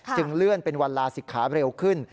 เลื่อนเป็นวันลาศิกขาเร็วขึ้น